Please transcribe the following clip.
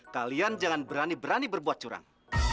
kalian jangan berani berani berbuat curang